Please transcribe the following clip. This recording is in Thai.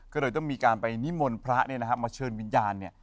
ก็เลยต้องมีการไปนิมนต์พระมาเชิญวิญญาณ